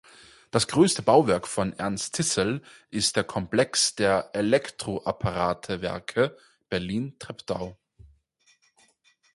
Das größte Bauwerk von Ernst Ziesel ist der Komplex der "Elektro-Apparate-Werke Berlin-Treptow".